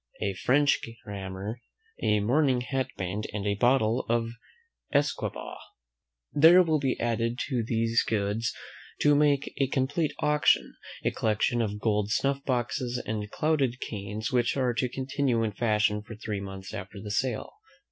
A French grammar. A mourning hat band; and half a bottle of usquebaugh. There will be added to these goods, to make a complete auction, a collection of gold snuff boxes and clouded canes, which are to continue in fashion for three months after the sale.